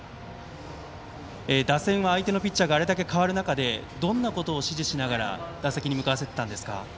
打線は相手のピッチャーがあれだけ代わる中でどんなことを指示しながら打席に向かわせていたんですか？